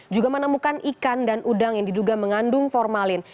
juga menemukan ikan dan udang yang diduga mengandung formalin